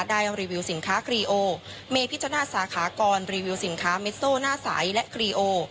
รีวิวสินค้าครีโอเมพิจารณาสาขากรรีวิวสินค้าเมสโซหน้าใสและครีโอ